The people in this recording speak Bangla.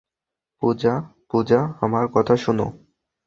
পূজা, পূজা, আমার কথা শুনো।